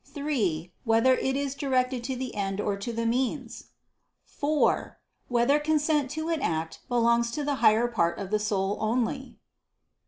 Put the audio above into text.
(3) Whether it is directed to the end or to the means? (4) Whether consent to an act belongs to the higher part of the soul only?